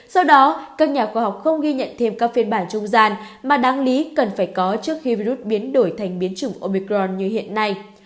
do đó các nhà khoa học không ghi nhận thêm các phiên bản trung gian mà đáng lý cần phải có trước khi virus biến đổi thành biến chủng omicron như hiện nay